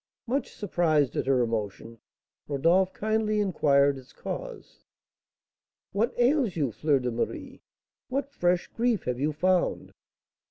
Much surprised at her emotion, Rodolph kindly inquired its cause. "What ails you, Fleur de Marie? What fresh grief have you found?"